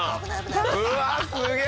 うわっすげえ！